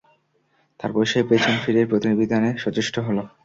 তারপর সে পেছন ফিরে প্রতিবিধানে সচেষ্ট হল।